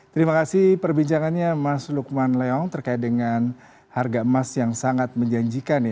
terima kasih perbincangannya mas lukman leong terkait dengan harga emas yang sangat menjanjikan